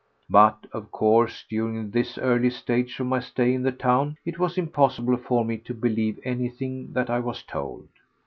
But, of course, during this early stage of my stay in the town it was impossible for me to believe anything that I was told.